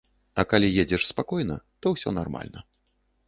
А калі едзеш спакойна, то ўсё нармальна.